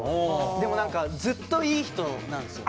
でも何かずっといい人なんですよ。